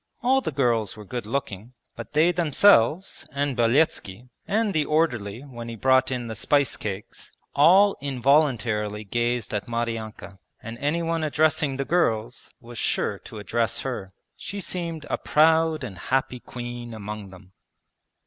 All the girls were good looking, but they themselves and Beletski, and the orderly when he brought in the spice cakes, all involuntarily gazed at Maryanka, and anyone addressing the girls was sure to address her. She seemed a proud and happy queen among them.